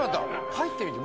入ってみて。